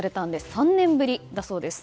３年ぶりだそうです。